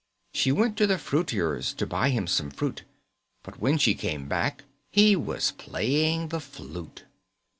She went to the fruiterer's To buy him some fruit, But when she came back He was playing the flute.